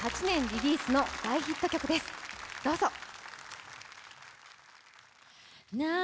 ２００８年リリースの大ヒット曲ですどうぞ。